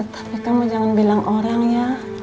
tapi kamu jangan bilang orang ya